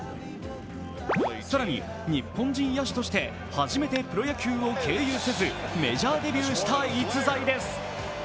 更に日本人野手として初めてプロ野球を経由せず、メジャーデビューした逸材です。